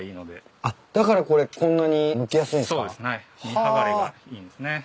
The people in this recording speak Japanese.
あっだからこれこんなにむきやすいんすか？